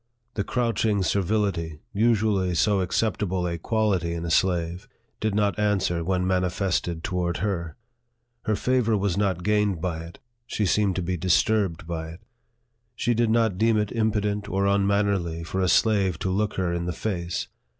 The crouching servility, usually so acceptable a quality in a slave, did not answer when manifested toward her. Her favor was not gained by it; she seemed to be dis turbed by it. She did not deem it impudent or unman nerly for a slave to look her in the face.